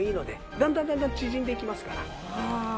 だんだんだんだん縮んでいきますから。